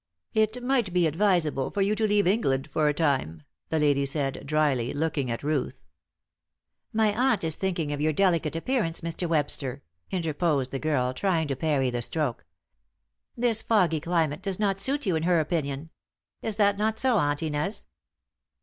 "It might be advisable for you to leave England for a time," the lady said, drily, looking at Ruth. "My aunt is thinking of your delicate appearance, Mr. Webster," interposed the girl, trying to parry the stroke. "This foggy climate does not suit you in her opinion. Is that not so, Aunt Inez?"